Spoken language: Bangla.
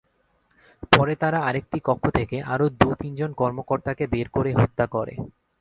পরে তারা আরেকটি কক্ষ থেকে আরও দু-তিনজন কর্মকর্তাকে বের করে হত্যা করে।